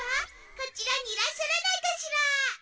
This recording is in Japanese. こちらにいらっしゃらないかしら？